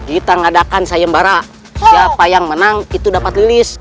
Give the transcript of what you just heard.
kita mengadakan sayembara siapa yang menang itu dapat lilis